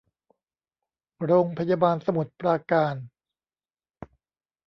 โรงพยาบาลสมุทรปราการ